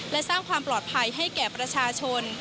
และสร้างความปลอดภัยให้แก่ประชาชน